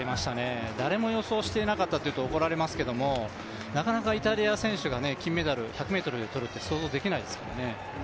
誰も予想していなかったというと怒られますけどもなかなかイタリア選手が金メダルを１００ｍでとるって想像できないですからね。